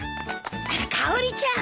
かおりちゃん。